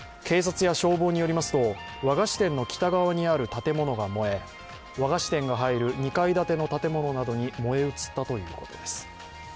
警察や消防によりますと和菓子店の北側にある建物が燃え和菓子店が入る２階建ての建物などに燃え移ったということです。